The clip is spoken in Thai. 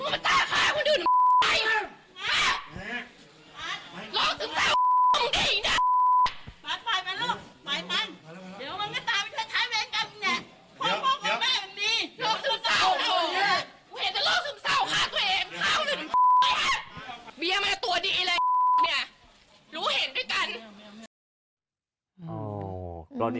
รู้เหตุด้วยกัน